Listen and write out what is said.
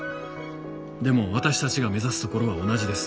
でも私たちが目指すところは同じです。